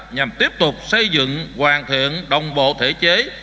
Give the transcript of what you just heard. nhằm tiếp tục xây dựng hoàn thiện đồng bộ thể chế